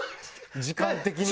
時間的にも。